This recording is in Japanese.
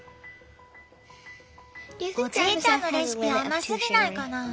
おじいちゃんのレシピ甘すぎないかなぁ。